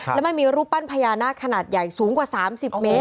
แล้วมันมีรูปปั้นพญานาคขนาดใหญ่สูงกว่า๓๐เมตร